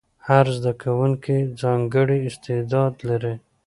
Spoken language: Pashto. هر زده کوونکی ځانګړی استعداد لري.